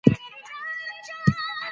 د شکر ناروغان ځانګړی غبرګون لري.